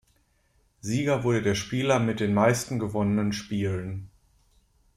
Sieger wurde der Spieler mit den meisten gewonnenen Spielen.